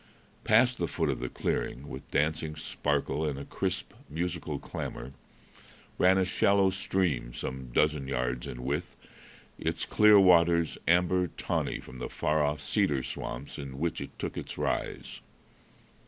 Past the foot of the clearing, with dancing sparkle and a crisp, musical clamor, ran a shallow stream some dozen yards in width, its clear waters amber tawny from the far off cedar swamps in which it took its rise.